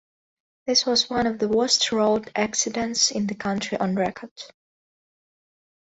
This was one of the worst road accidents in the country on record.